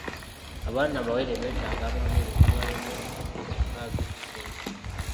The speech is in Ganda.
Abaana abawere beetaaga amabeere okumala emyezi omukaaga egisooka.